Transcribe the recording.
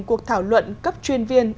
cuộc thảo luận cấp chuyên viên